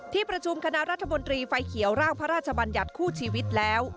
ที่ประชุมคณะรัฐมนตรีไฟเขียวร่างพระราชบัญญัติคู่ชีวิตแล้ว